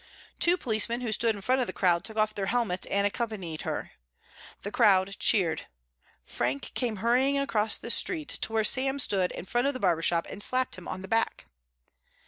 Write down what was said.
Two policemen who stood in front of the crowd took off their helmets and accompanied her. The crowd cheered. Frank came hurrying across the street to where Sam stood in front of the barber shop and slapped him on the back.